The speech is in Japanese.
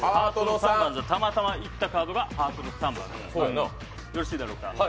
たまたま言ったカードがハートの３、よろしいだろうか。